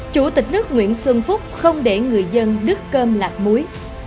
chủ tịch nước nguyễn xuân phúc không để người dân đứt cơm lạc muối